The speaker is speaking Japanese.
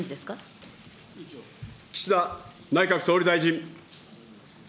岸田内閣総理大臣。